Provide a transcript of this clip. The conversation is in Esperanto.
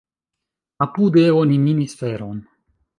Apude oni minis feron.